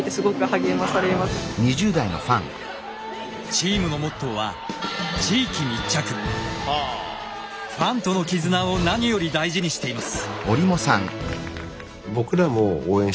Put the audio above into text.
チームのモットーはファンとの絆を何より大事にしています。